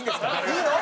いいの？